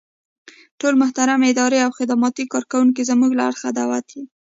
ټول محترم اداري او خدماتي کارکوونکي زمونږ له اړخه دعوت يئ.